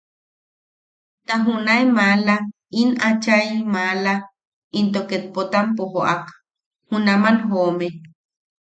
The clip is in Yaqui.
Ta junae maala, in achai maala, into ket Potampo joʼak, junaman joome.